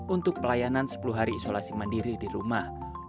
untuk pelayanan sepuluh hari isolasi mandiri di rumah